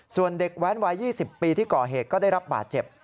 ส่วนเด็กแว้นวัย๒๐ปีที่ก่อเหตุก็ได้รับบาดเจ็บ